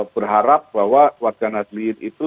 berharap bahwa warga nadlir itu